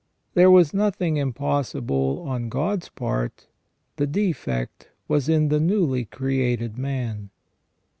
There was nothing impossible on God's part, the defect was in the newly created man.